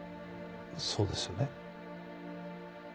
そうですよね？